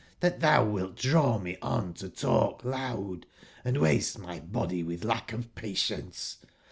that thou wilt draw me on to talk loud, and waste my body with lack of patiencc.